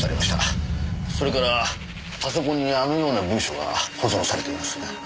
それからパソコンにあのような文書が保存されています。